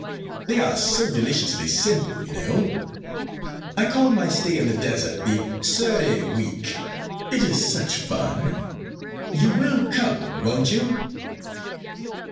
They are so deliciously simple, you know. I call my stay in the desert 'the Surrey week.' It is such fun. You will come, won't you?"